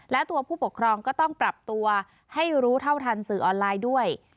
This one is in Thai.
และตัวผู้ปกครองก็ต้องปรับตัวให้รู้เท่าทันสื่อออนไลน์ด้วย